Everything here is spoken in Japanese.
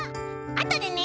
あとでね」。